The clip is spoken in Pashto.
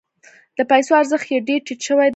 د پیسو ارزښت یې ډیر ټیټ شوی دی.